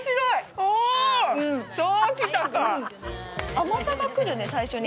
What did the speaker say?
甘さがくるね、最初に。